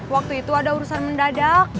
waktu itu ada urusan mendadak